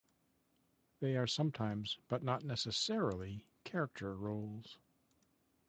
They are sometimes but not necessarily character roles.